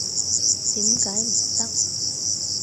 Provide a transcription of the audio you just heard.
點解唔得？